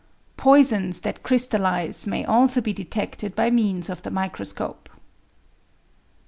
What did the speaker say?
Poisons that crystallise may also be detected by means of the microscope.